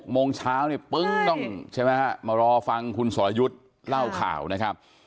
๖โมงเช้าปึ๊งต้องมารอฟังคุณสลายุทธ์เล่าข่าวนะครับ